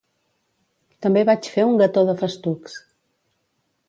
També vaig fer un gató de festucs